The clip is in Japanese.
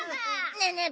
ねえねえ